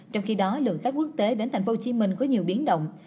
trong khi đó lượng khách quốc tế đến tp hcm có nhiều biến động